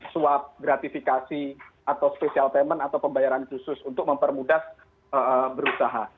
swap gratifikasi atau special payment atau pembayaran khusus untuk mempermudah berusaha